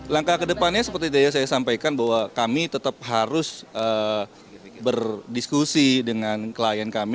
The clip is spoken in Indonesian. langkah kedepannya seperti tadi saya sampaikan bahwa kami tetap harus berdiskusi dengan klien kami